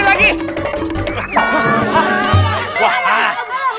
eh jangan lagi